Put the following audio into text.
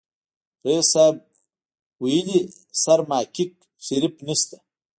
ريس صيب ويلې سرماکيک شريف نسته.